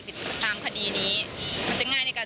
ทั้งทั้งว่าที่ชาวบ้าน